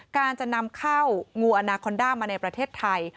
การจะนำเข้างูอนาคอนด้ามาในประเทศไทย